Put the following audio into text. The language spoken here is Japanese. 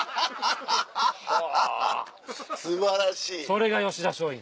それが吉田松陰。